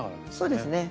そうですね。